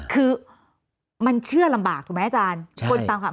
คือมันเชื่อลำบากถูกไหมอาจารย์